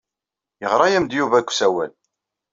Yeɣra-am-d Yuba deg usawal.